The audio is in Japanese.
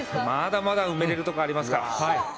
まだまだ埋めれるとこありますから。